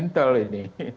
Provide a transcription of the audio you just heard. daripada intel ini